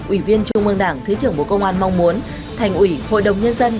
ủy viên trung ương đảng thứ trưởng bộ công an mong muốn thành ủy hội đồng nhân dân